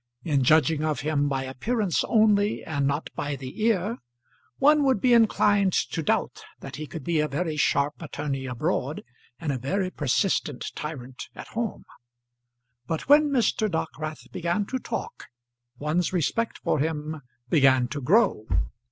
In judging of him by appearance only and not by the ear, one would be inclined to doubt that he could be a very sharp attorney abroad and a very persistent tyrant at home. But when Mr. Dockwrath began to talk, one's respect for him began to grow.